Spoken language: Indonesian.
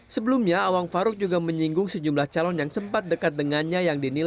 sebelumnya awang faruk juga menyinggung sejumlah calon yang sempat dekat dengannya yang dinilai